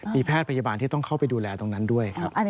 มีแพทย์พยาบาลที่ต้องเข้าไปดูแลตรงนั้นด้วยครับ